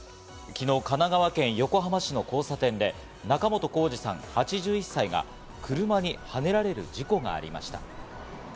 昨日、神奈川県横浜市の交差点で、仲本工事さん、８１歳が車にはねられる事故がありました。